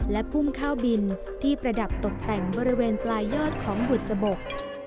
และพุ่มข้าวบินที่ประดับตกแต่งบริเวณปลายยอดของบุษบก